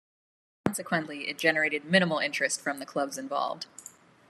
Consequently, it generated minimal interest from the clubs involved.